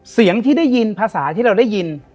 เสียงที่ได้ยินภาษาที่เราได้ยิน